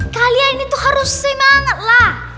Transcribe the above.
kalian itu harus semangat lah